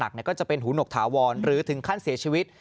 ก็จะเป็นหูหนกถาวรหรือถึงขั้นเสียชีวิต